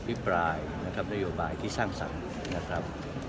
ปลายนะครับนโยบายที่สร้างสรรค์นะครับ